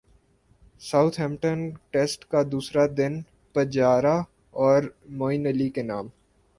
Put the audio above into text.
ساتھ Hampton test کا دوسرا دن پجارا اور معین علی کے نام